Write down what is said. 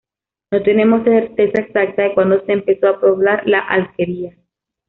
No tenemos certeza exacta de cuando se empezó a poblar la alquería.